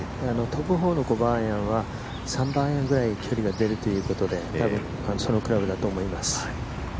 飛ぶ方の５番アイアンは３番アイアンくらい距離が出るということでそのクラブだと思います。